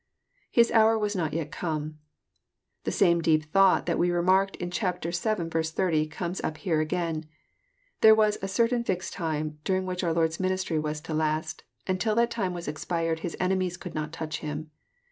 [ITts hour was not yet come.] The same deep thought that we remarked in ch. vii. 80, comes up here again. There was a cer tain fixed time during which our Lord's ministry was to last, and till that time was expired His enemies could not touch Him.